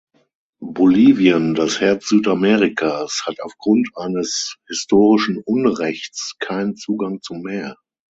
Bolivien, das Herz Südamerikas, hat aufgrund eines historischen Unrechts keinen Zugang zum Meer.